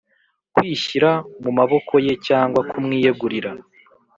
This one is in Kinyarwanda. “kwishyira mu maboko ye” cyangwa “kumwiyegurira,”